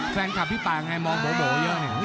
แฟนคลับพี่ป่าไงมองโบ๊ะเยอะนี่